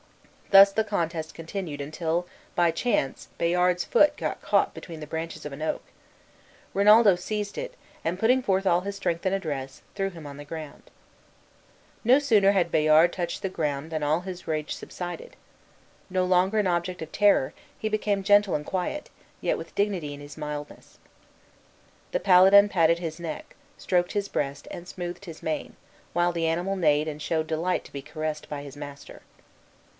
Thus the contest continued until by chance Bayard's foot got caught between the branches of an oak. Rinaldo seized it and putting forth all his strength and address, threw him on the ground. No sooner had Bayard touched the ground than all his rage subsided. No longer an object of terror, he became gentle and quiet, yet with dignity in his mildness. The paladin patted his neck, stroked his breast, and smoothed his mane, while the animal neighed and showed delight to be caressed by his master.